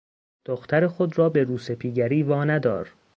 دختر خود را به روسپیگری واندار.